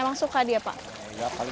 emang suka dia pak